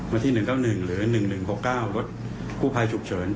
วันที่๑๙๑หรือ๑๑๖๙รถกู้ภัยฉุกเฉิน